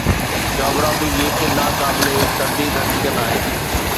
Geography جي هڪ ناقابل ترديد حقيقت آهي.